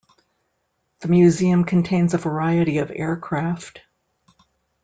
The museum contains a variety of aircraft.